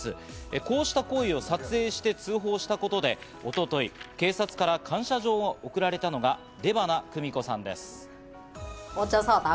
こうした行為を撮影して通報したことで、一昨日、警察から感謝状を贈られたのが出花久美子さんです。